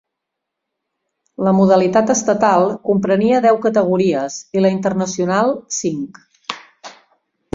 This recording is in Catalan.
La modalitat estatal comprenia deu categories i la internacional cinc.